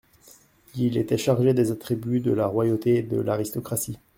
Il était chargé des attributs de la royauté et de l'aristocratie.